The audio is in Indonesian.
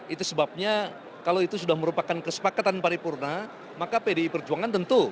itu sebabnya kalau itu sudah merupakan kesepakatan paripurna maka pdi perjuangan tentu